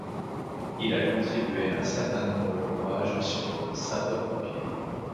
Il a contribué à un certain nombre d'ouvrages sur les sapeurs pompiers.